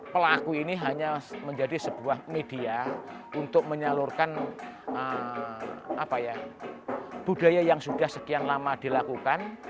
pelaku ini hanya menjadi sebuah media untuk menyalurkan budaya yang sudah sekian lama dilakukan